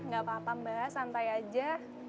gak apa apa mbak santai aja